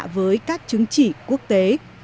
với các chứng chỉ quốc tế